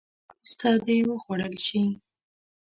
وروسته دې وخوړل شي.